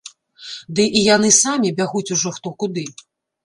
Ды і яны самі бягуць ужо хто куды.